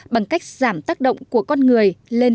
bằng cách giảm tác động của con người